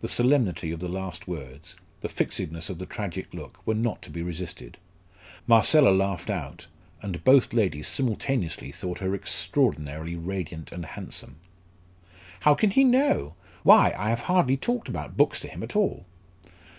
The solemnity of the last words, the fixedness of the tragic look, were not to be resisted. Marcella laughed out, and both ladies simultaneously thought her extraordinarily radiant and handsome. "How can he know? Why, I have hardly talked about books to him at all."